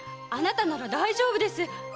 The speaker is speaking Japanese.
あなたなら大丈夫です。